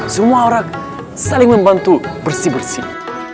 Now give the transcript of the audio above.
semua orang saling membantu bersih bersih